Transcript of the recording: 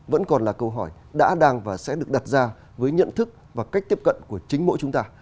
vẫn còn là câu hỏi đã đang và sẽ được đặt ra với nhận thức và cách tiếp cận của chính mỗi chúng ta